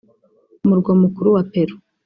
umurwa mukuru wa Peru